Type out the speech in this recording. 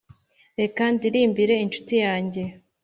Reka ndirimbire incuti yanjye,